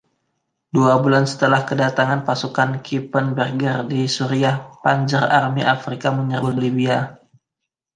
Dua bulan setelah kedatangan pasukan Kippenberger di Suriah, Panzer Army Afrika menyerbu Libya.